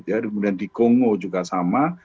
kemudian di kongo juga sama